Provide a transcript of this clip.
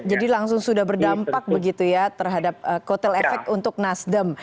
jadi langsung sudah berdampak begitu ya terhadap kotel efek untuk nasdem